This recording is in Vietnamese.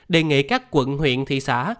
đề nghị các quận huyện thị xã